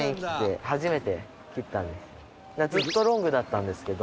ずっとロングだったんですけど。